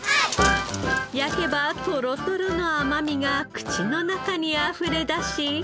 焼けばとろとろの甘みが口の中にあふれ出し。